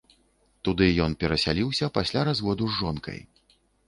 Туды ён перасяліўся пасля разводу з жонкай.